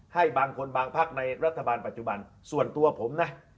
ให้บางคนบางพักในรัฐบาลปัจจุบันส่วนตัวผมนะ